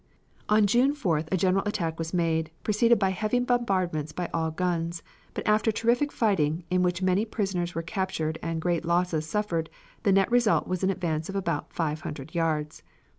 On June the 4th a general attack was made, preceded by heavy bombardments by all guns, but after terrific fighting, in which many prisoners were captured and great losses suffered, the net result was an advance of about five hundred yards.